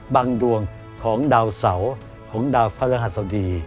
ดวงของดาวเสาของดาวพระรหัสดี